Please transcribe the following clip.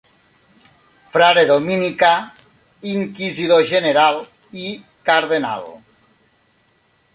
Frare dominicà, inquisidor general i cardenal.